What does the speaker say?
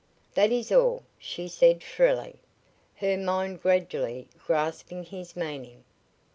"That is all," she said, shrilly, her mind gradually grasping his meaning.